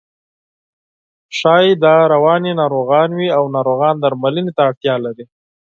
ښایي دا رواني ناروغان وي او ناروغ درملنې ته اړتیا لري.